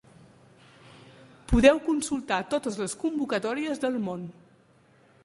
Podeu consultar totes les convocatòries del món.